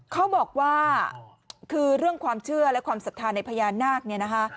เขาบอกว่าคือเรื่องความเชื่อและความศรัทธาในพญานาคเนี่ยนะคะ